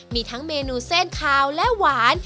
มีทั้งเมนูเส้นขาวและหวาน